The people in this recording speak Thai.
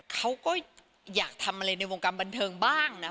เขาก็อยากทำอะไรในวงการบันเทิงบ้างนะ